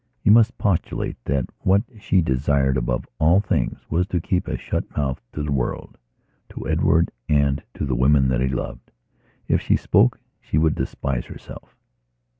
You must postulate that what she desired above all things was to keep a shut mouth to the world; to Edward and to the women that he loved. If she spoke she would despise herself.